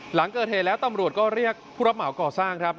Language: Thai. หลังเกิดเหตุแล้วตำรวจก็เรียกผู้รับเหมาก่อสร้างครับ